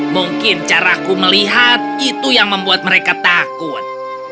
mungkin cara aku melihat itu yang membuat mereka takut